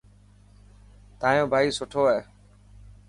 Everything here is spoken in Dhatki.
تايون ڀائي سٺو هي.